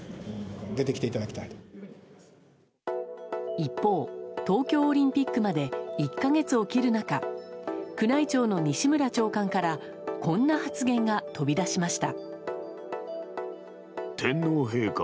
一方、東京オリンピックまで１か月を切る中宮内庁の西村長官からこんな発言が飛び出しました。